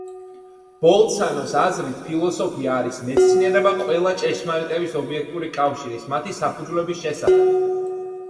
ბოლცანოს აზრით „ფილოსოფია არის მეცნიერება ყველა ჭეშმარიტების ობიექტური კავშირის“, მათი საფუძვლების შესახებ.